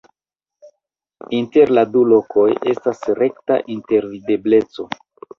Inter la du lokoj estas rekta intervidebleco.